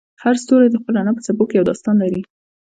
هر ستوری د خپل رڼا په څپو کې یو داستان لري.